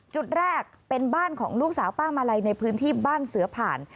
จุดแรกเป็นบ้านของลูกสาวป้ามาลัยในพื้นที่บ้านเสือผ่าน